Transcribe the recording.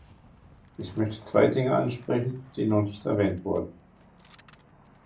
Ich möchte zwei Dinge ansprechen, die noch nicht erwähnt wurden.